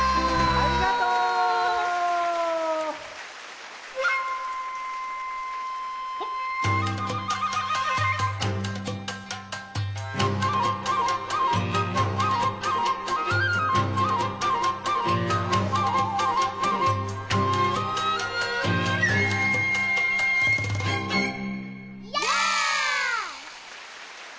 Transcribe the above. ありがとう！ヤー！